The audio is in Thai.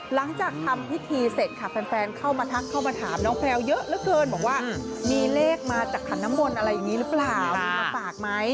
หลังจากทำพิธีเสร็จค่ะแฟนเข้ามาทักเข้ามาถามน้องแพลวเยอะเหลือเกินบอกว่ามีเลขมาจากขันน้ำมนต์อะไรอย่างนี้หรือเปล่ามีมาฝากไหม